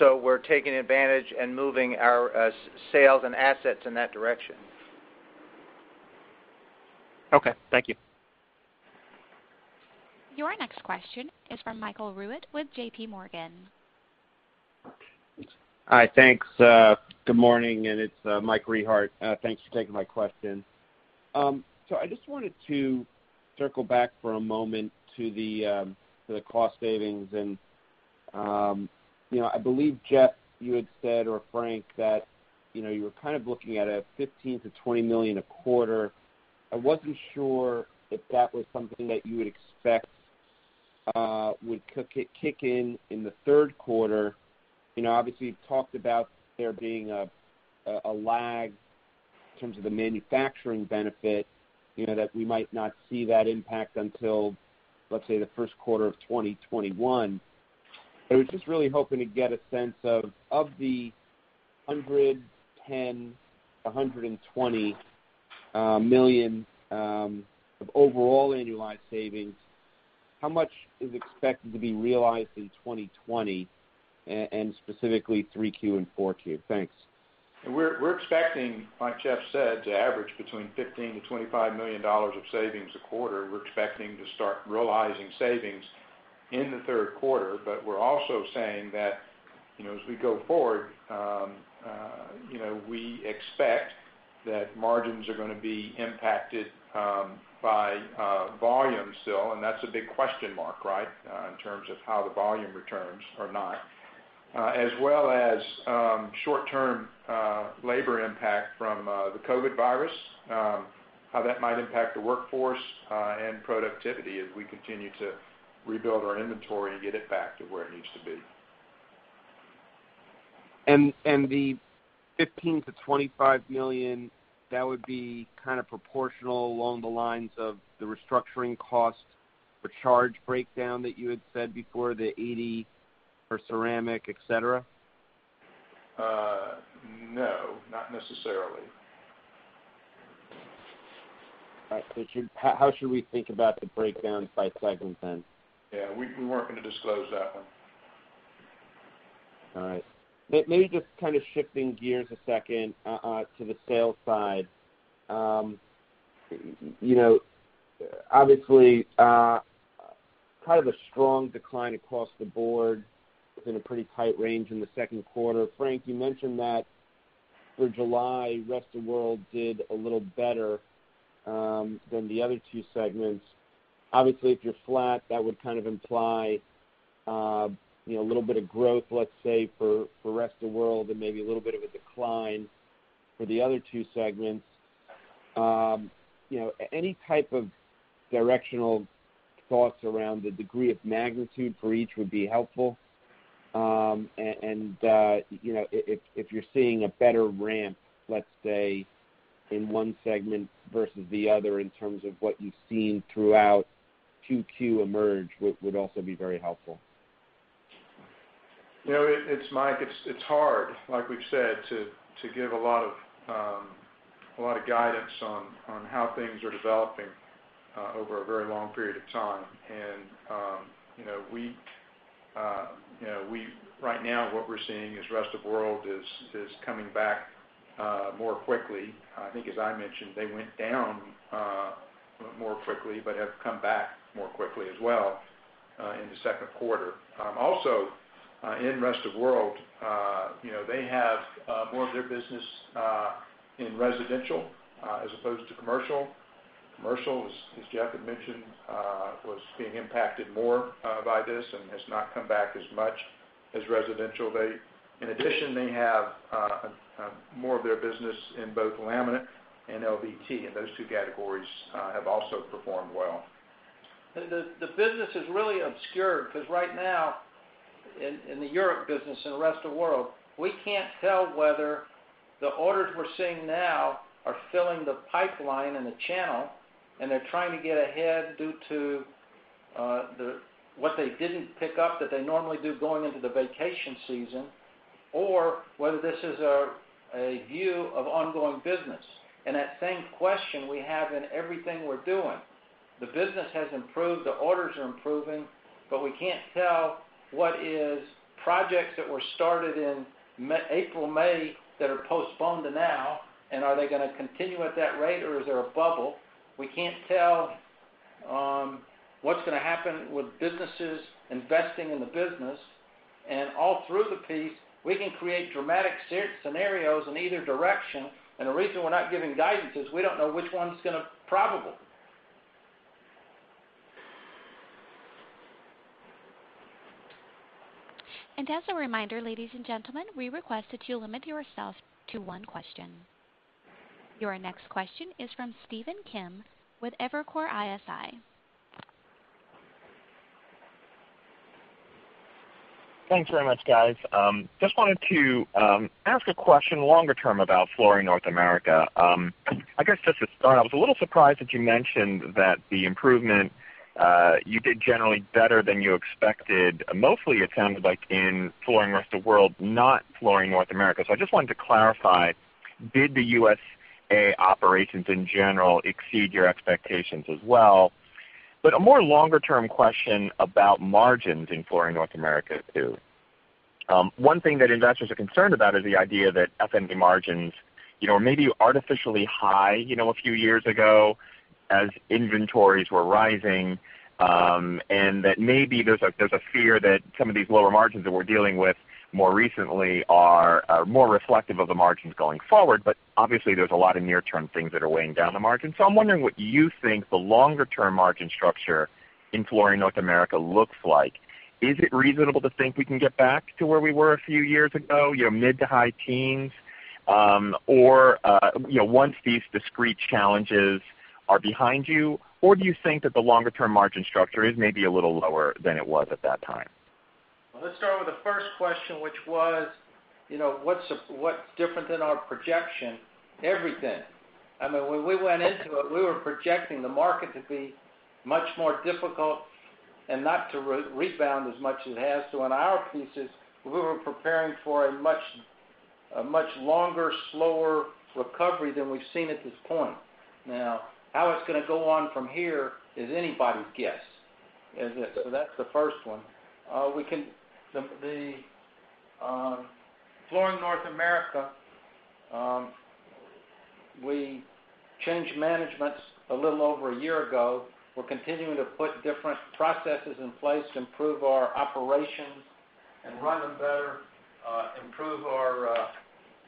We're taking advantage and moving our sales and assets in that direction. Okay, thank you. Your next question is from Michael Rehaut with JPMorgan. Hi, thanks. Good morning, it's Mike Rehaut. Thanks for taking my question. I just wanted to circle back for a moment to the cost savings. I believe, Jeff, you had said, or Frank, that you were kind of looking at a $15 million-$20 million a quarter. I wasn't sure if that was something that you would expect would kick in in the third quarter. Obviously, you've talked about there being a lag in terms of the manufacturing benefit, that we might not see that impact until, let's say, the first quarter of 2021. I was just really hoping to get a sense of the $110 million-$120 million of overall annualized savings, how much is expected to be realized in 2020, and specifically 3Q and 4Q? Thanks. We're expecting, like Jeff said, to average between $15 million-$25 million of savings a quarter. We're expecting to start realizing savings in the third quarter. We're also saying that as we go forward, we expect that margins are going to be impacted by volume still. That's a big question mark, in terms of how the volume returns or not. As well as short-term labor impact from the COVID virus, how that might impact the workforce, and productivity as we continue to rebuild our inventory and get it back to where it needs to be. The $15 million-$25 million, that would be proportional along the lines of the restructuring cost per charge breakdown that you had said before, the $80 for ceramic, et cetera? No, not necessarily. All right. How should we think about the breakdown by segment then? Yeah, we weren't going to disclose that one. All right. Maybe just kind of shifting gears a second to the sales side. Obviously, kind of a strong decline across the board within a pretty tight range in the second quarter. Frank, you mentioned that for July, Rest of the World did a little better than the other two segments. Obviously, if you're flat, that would kind of imply a little bit of growth, let's say, for Rest of the World and maybe a little bit of a decline for the other two segments. Any type of directional thoughts around the degree of magnitude for each would be helpful. If you're seeing a better ramp, let's say, in one segment versus the other in terms of what you've seen throughout 2Q emerge would also be very helpful. Mike, it's hard, like we've said, to give a lot of guidance on how things are developing over a very long period of time. Right now, what we're seeing is Rest of World is coming back more quickly. I think as I mentioned, they went down more quickly but have come back more quickly as well in the second quarter. Also, in Rest of World, they have more of their business in residential as opposed to commercial. Commercial, as Jeff had mentioned, was being impacted more by this and has not come back as much as residential. In addition, they have more of their business in both laminate and LVT, and those two categories have also performed well. The business is really obscured because right now in the Europe business and the Rest of World, we can't tell whether the orders we're seeing now are filling the pipeline and the channel, and they're trying to get ahead due to what they didn't pick up that they normally do going into the vacation season, or whether this is a view of ongoing business. That same question we have in everything we're doing. The business has improved, the orders are improving, but we can't tell what is projects that were started in April, May that are postponed to now, and are they going to continue at that rate or is there a bubble? We can't tell what's going to happen with businesses investing in the business. All through the piece, we can create dramatic scenarios in either direction. The reason we're not giving guidance is we don't know which one's going to be probable. As a reminder, ladies and gentlemen, we request that you limit yourself to one question. Your next question is from Stephen Kim with Evercore ISI. Thanks very much, guys. Just wanted to ask a question longer term about Flooring North America. I guess just to start, I was a little surprised that you mentioned that the improvement you did generally better than you expected, mostly it sounded like in Flooring Rest of World, not Flooring North America. I just wanted to clarify, did the U.S. operations in general exceed your expectations as well? A more longer term question about margins in Flooring North America, too. One thing that investors are concerned about is the idea that FNA margins were maybe artificially high a few years ago as inventories were rising, and that maybe there's a fear that some of these lower margins that we're dealing with more recently are more reflective of the margins going forward. Obviously, there's a lot of near-term things that are weighing down the margins. I'm wondering what you think the longer-term margin structure in Flooring North America looks like. Is it reasonable to think we can get back to where we were a few years ago, mid to high teens? Once these discrete challenges are behind you, or do you think that the longer-term margin structure is maybe a little lower than it was at that time? Let's start with the first question, which was, what's different in our projection? Everything. When we went into it, we were projecting the market to be much more difficult and not to rebound as much as it has. On our pieces, we were preparing for a much longer, slower recovery than we've seen at this point. Now, how it's going to go on from here is anybody's guess. That's the first one. Flooring North America, we changed managements a little over a year ago. We're continuing to put different processes in place to improve our operations and run them better, improve our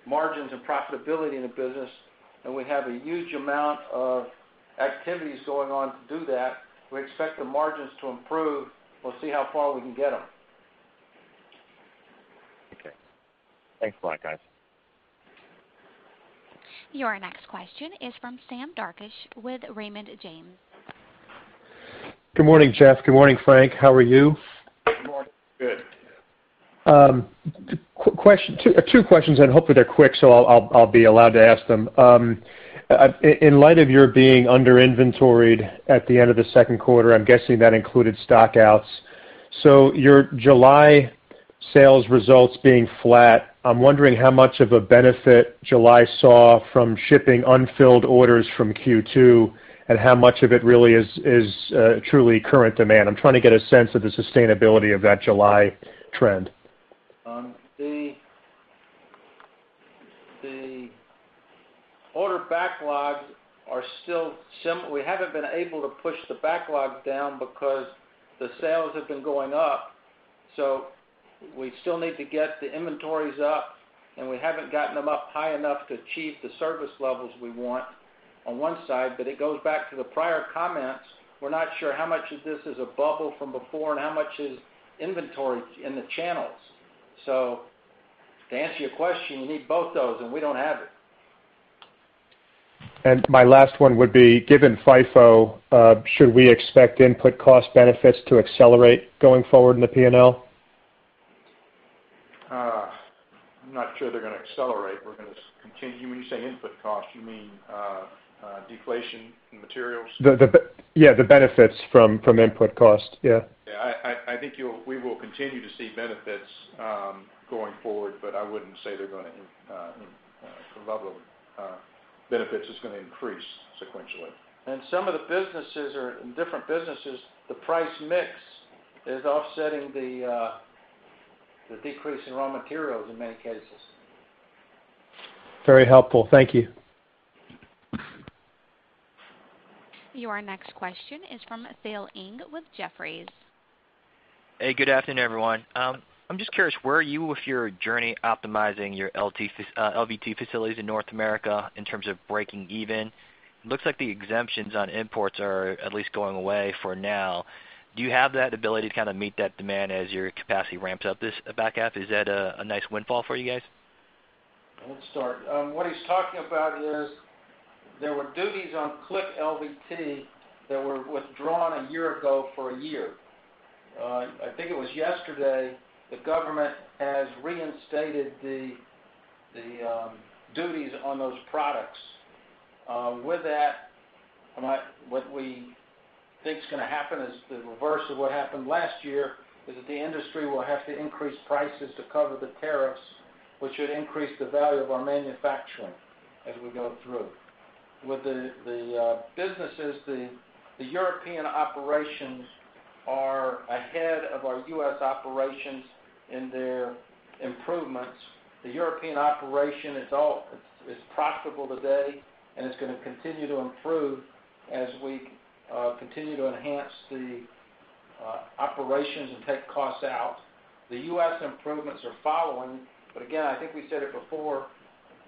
margins and profitability in the business, and we have a huge amount of activities going on to do that. We expect the margins to improve. We'll see how far we can get them. Okay. Thanks a lot, guys. Your next question is from Sam Darkatsh with Raymond James. Good morning, Jeff. Good morning, Frank. How are you? Good morning. Good. Two questions, and hopefully they're quick, so I'll be allowed to ask them. In light of your being under-inventoried at the end of the second quarter, I'm guessing that included stock-outs. Your July sales results being flat, I'm wondering how much of a benefit July saw from shipping unfilled orders from Q2, and how much of it really is truly current demand. I'm trying to get a sense of the sustainability of that July trend. The order backlogs, we haven't been able to push the backlog down because the sales have been going up. We still need to get the inventories up, and we haven't gotten them up high enough to achieve the service levels we want on one side. It goes back to the prior comments. We're not sure how much of this is a bubble from before and how much is inventory in the channels. To answer your question, you need both those, and we don't have it. My last one would be, given FIFO, should we expect input cost benefits to accelerate going forward in the P&L? I'm not sure they're going to accelerate. We're going to continue. When you say input cost, you mean deflation in materials? Yeah, the benefits from input cost. Yeah. I think we will continue to see benefits going forward, but I wouldn't say the level of benefits is going to increase sequentially. Some of the businesses or in different businesses, the price mix is offsetting the decrease in raw materials in many cases. Very helpful. Thank you. Your next question is from Phil Ng with Jefferies. Hey, good afternoon, everyone. I'm just curious, where are you with your journey optimizing your LVT facilities in North America in terms of breaking even? It looks like the exemptions on imports are at least going away for now. Do you have that ability to kind of meet that demand as your capacity ramps up this back half? Is that a nice windfall for you guys? I'll start. What he's talking about is there were duties on click LVT that were withdrawn a year ago for a year. I think it was yesterday, the government has reinstated the duties on those products. With that, what we think is going to happen is the reverse of what happened last year, is that the industry will have to increase prices to cover the tariffs, which should increase the value of our manufacturing as we go through. With the businesses, the European operations are ahead of our U.S. operations in their improvements. The European operation is profitable today, and it's going to continue to improve as we continue to enhance the operations and take costs out. The U.S. improvements are following, again, I think we said it before,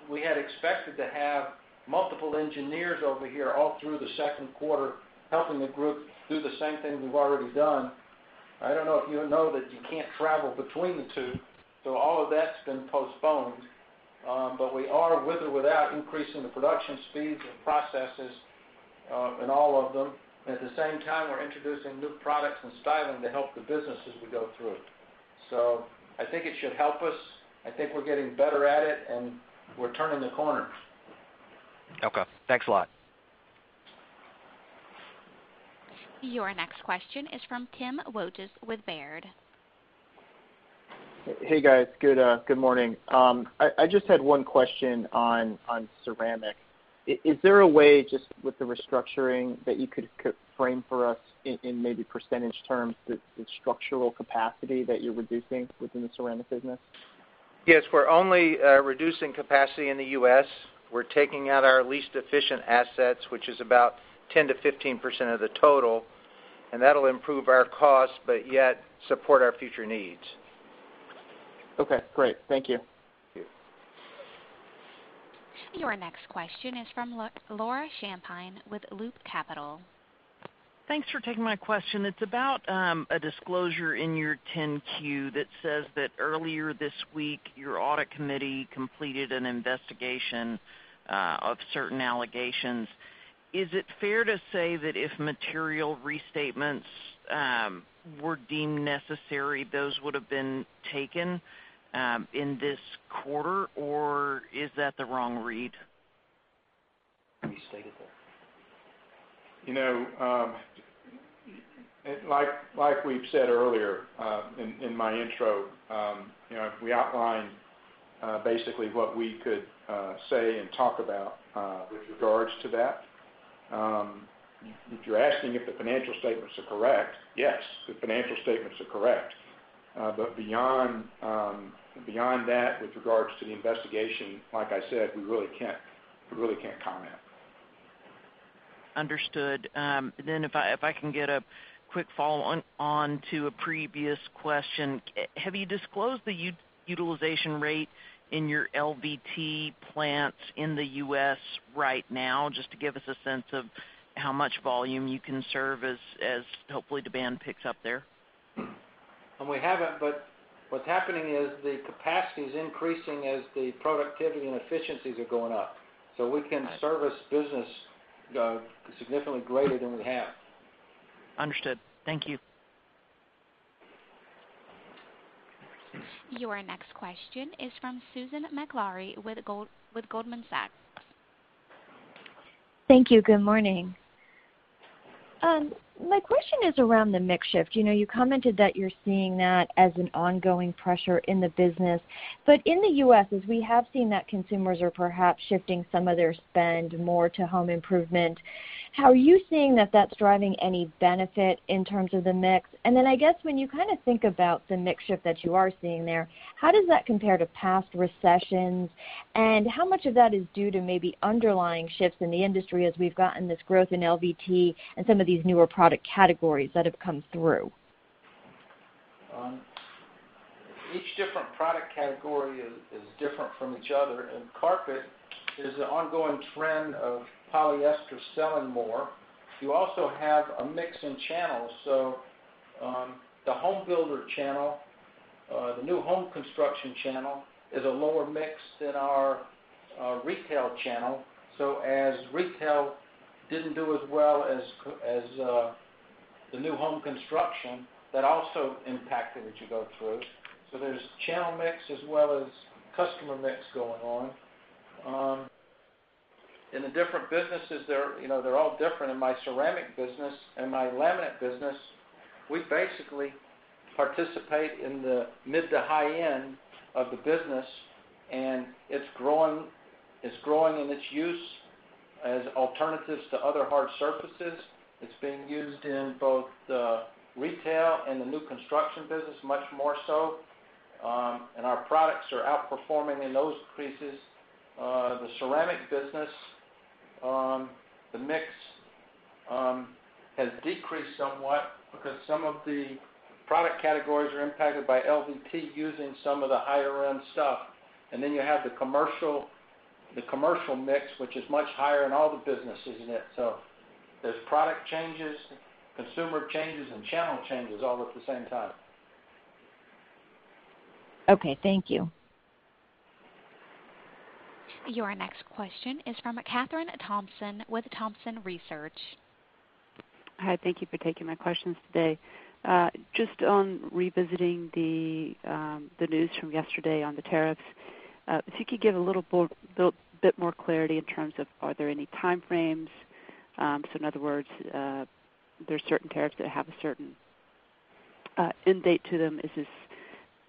we had expected to have multiple engineers over here all through the second quarter helping the group do the same thing we've already done. I don't know if you know that you can't travel between the two, all of that's been postponed. We are, with or without, increasing the production speeds and processes in all of them. At the same time, we're introducing new products and styling to help the business as we go through it. I think it should help us. I think we're getting better at it, we're turning the corner. Okay. Thanks a lot. Your next question is from Timothy Wojs with Baird. Hey, guys. Good morning. I just had one question on ceramic. Is there a way, just with the restructuring, that you could frame for us in maybe percentage terms, the structural capacity that you're reducing within the ceramic business? Yes, we're only reducing capacity in the U.S. We're taking out our least efficient assets, which is about 10%-15% of the total, and that'll improve our cost, but yet support our future needs. Okay, great. Thank you. Thank you. Your next question is from Laura Champine with Loop Capital. Thanks for taking my question. It's about a disclosure in your 10-Q that says that earlier this week, your audit committee completed an investigation of certain allegations. Is it fair to say that if material restatements were deemed necessary, those would have been taken in this quarter? Is that the wrong read? Restated there. Like we've said earlier in my intro, we outlined basically what we could say and talk about with regards to that. If you're asking if the financial statements are correct, yes, the financial statements are correct. Beyond that, with regards to the investigation, like I said, we really can't comment. Understood. If I can get a quick follow-on to a previous question, have you disclosed the utilization rate in your LVT plants in the U.S. right now, just to give us a sense of how much volume you can serve as hopefully demand picks up there? We haven't, but what's happening is the capacity is increasing as the productivity and efficiencies are going up. We can service business significantly greater than we have. Understood. Thank you. Your next question is from Susan Maklari with Goldman Sachs. Thank you. Good morning. My question is around the mix shift. You commented that you're seeing that as an ongoing pressure in the business. In the U.S., as we have seen that consumers are perhaps shifting some of their spend more to home improvement, how are you seeing that that's driving any benefit in terms of the mix? I guess, when you think about the mix shift that you are seeing there, how does that compare to past recessions? How much of that is due to maybe underlying shifts in the industry as we've gotten this growth in LVT and some of these newer product categories that have come through? Each different product category is different from each other. In carpet, there's an ongoing trend of polyester selling more. You also have a mix in channels. The home builder channel, the new home construction channel, is a lower mix than our retail channel. As retail didn't do as well as the new home construction, that also impacted as you go through. There's channel mix as well as customer mix going on. In the different businesses, they're all different. In my ceramic business and my laminate business, we basically participate in the mid to high-end of the business, and it's growing in its use as alternatives to other hard surfaces. It's being used in both the retail and the new construction business much more so. Our products are outperforming in those increases. The ceramic business, the mix has decreased somewhat because some of the product categories are impacted by LVT using some of the higher-end stuff. You have the commercial mix, which is much higher in all the businesses in it. There's product changes, consumer changes, and channel changes all at the same time. Okay, thank you. Your next question is from Kathryn Thompson with Thompson Research. Hi, thank you for taking my questions today. On revisiting the news from yesterday on the tariffs, if you could give a little bit more clarity in terms of, are there any time frames? In other words, there's certain tariffs that have a certain end date to them. Is this,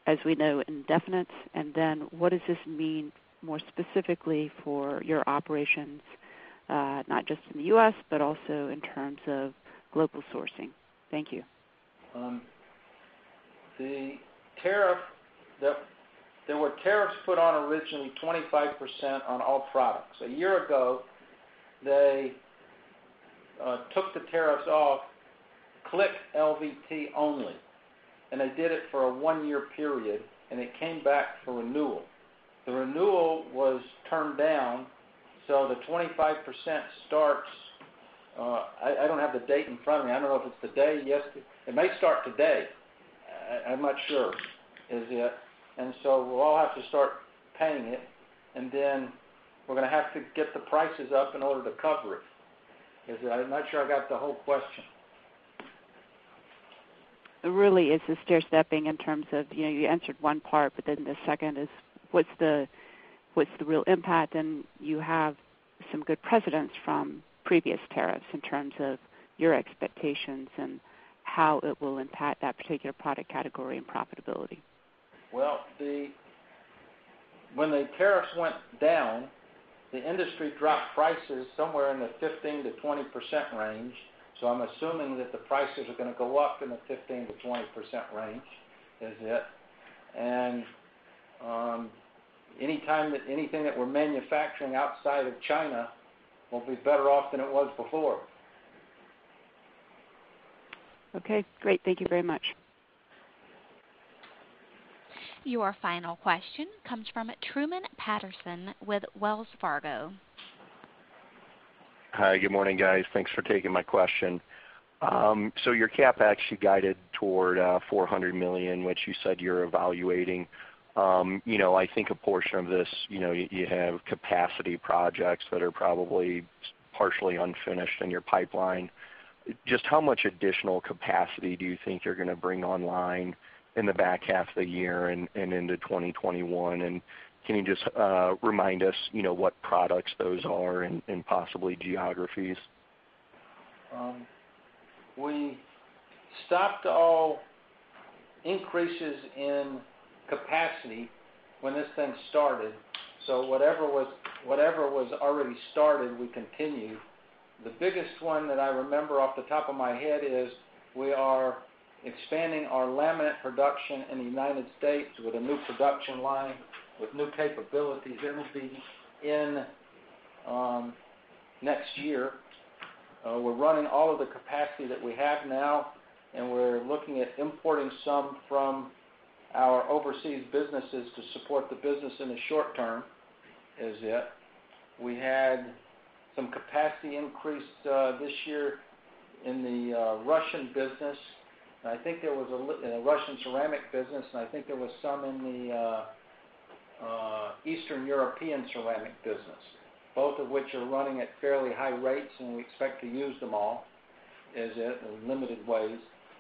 as we know, indefinite? What does this mean more specifically for your operations, not just in the U.S., but also in terms of global sourcing? Thank you. There were tariffs put on originally 25% on all products. A year ago, they took the tariffs off click LVT only. They did it for a one-year period. It came back for renewal. The renewal was turned down. The 25% starts, I don't have the date in front of me. I don't know if it's today, yesterday. It may start today. I'm not sure. Is it? We'll all have to start paying it. Then we're going to have to get the prices up in order to cover it. I'm not sure I got the whole question. It really is a stair stepping in terms of, you answered one part, the second is, what's the real impact? You have some good precedents from previous tariffs in terms of your expectations and how it will impact that particular product category and profitability. Well, when the tariffs went down, the industry dropped prices somewhere in the 15%-20% range. I'm assuming that the prices are going to go up in the 15%-20% range, is it? Anytime that anything that we're manufacturing outside of China would be better off than it was before. Okay, great. Thank you very much. Your final question comes from Truman Patterson with Wells Fargo. Hi. Good morning, guys. Thanks for taking my question. Your CapEx, you guided toward $400 million, which you said you're evaluating. I think a portion of this, you have capacity projects that are probably partially unfinished in your pipeline. Just how much additional capacity do you think you're going to bring online in the back half of the year and into 2021? Can you just remind us what products those are and possibly geographies? We stopped all increases in capacity when this thing started. Whatever was already started, we continued. The biggest one that I remember off the top of my head is we are expanding our laminate production in the United States with a new production line, with new capabilities. It'll be in next year. We're running all of the capacity that we have now, and we're looking at importing some from our overseas businesses to support the business in the short term, as yet. We had some capacity increase this year in the Russian business, in the Russian ceramic business, and I think there was some in the Eastern European ceramic business, both of which are running at fairly high rates, and we expect to use them all, as yet, in limited ways.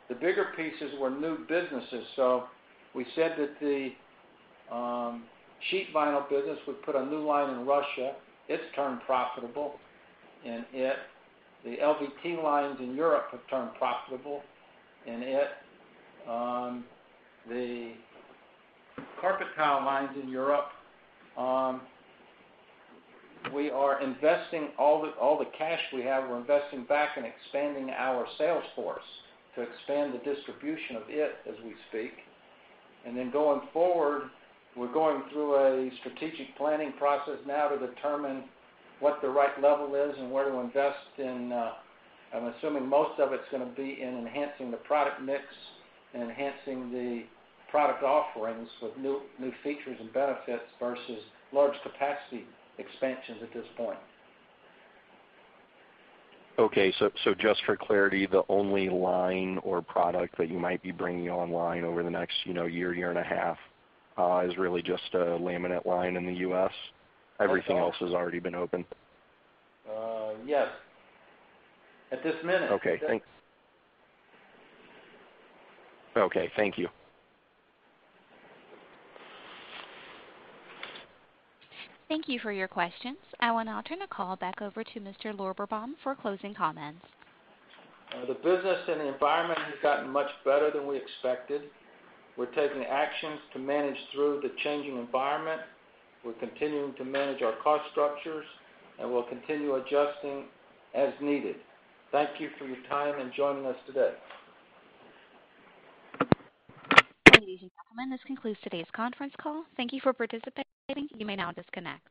The bigger pieces were new businesses. We said that the sheet vinyl business would put a new line in Russia. It's turned profitable. The LVT lines in Europe have turned profitable. The carpet tile lines in Europe, we are investing all the cash we have, we're investing back in expanding our sales force to expand the distribution of it as we speak. Going forward, we're going through a strategic planning process now to determine what the right level is and where to invest in. I'm assuming most of it's going to be in enhancing the product mix and enhancing the product offerings with new features and benefits versus large capacity expansions at this point. Okay. Just for clarity, the only line or product that you might be bringing online over the next year and a half is really just a laminate line in the U.S.? Everything else has already been opened. Yes. At this minute. Okay, thanks. Okay. Thank you. Thank you for your questions. I will now turn the call back over to Mr. Lorberbaum for closing comments. The business and the environment has gotten much better than we expected. We're taking actions to manage through the changing environment. We're continuing to manage our cost structures, and we'll continue adjusting as needed. Thank you for your time and joining us today. Ladies and gentlemen, this concludes today's conference call. Thank you for participating. You may now disconnect.